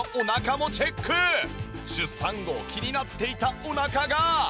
出産後気になっていたお腹が。